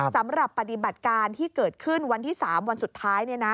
สำหรับปฏิบัติการที่เกิดขึ้นวันที่๓วันสุดท้าย